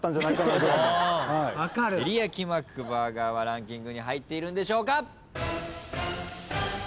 てりやきマックバーガーはランキングに入っているんでしょうか？